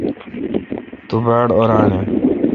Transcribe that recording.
تو باڑ اوران این۔